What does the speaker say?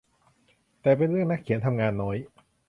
แต่เป็นเรื่องนักเขียนทำงานน้อย